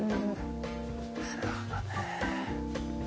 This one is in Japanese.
なるほどね。